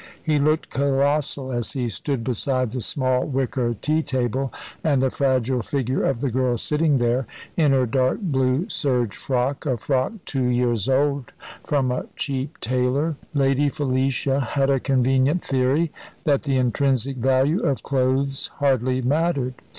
He looked colossal as he stood beside the small wicker tea table, and the fragile figure of the girl sitting there, in her dark blue serge frock, a frock two years old, from a cheap tailor. Lady Felicia had a convenient theory, that the intrinsic value of clothes hardly mattered.